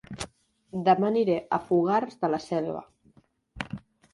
Dema aniré a Fogars de la Selva